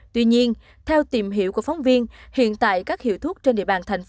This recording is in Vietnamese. tuy nhiên theo tìm hiểu của phóng viên hiện tại các hiệu thuốc trên địa bàn thành phố